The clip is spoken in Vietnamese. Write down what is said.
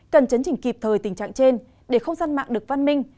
cần chấn chỉnh kịp thời tình trạng trên để không gian mạng được văn minh